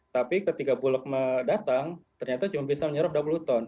tapi ketika bulog mendatang ternyata cuma bisa menyerap dua puluh ton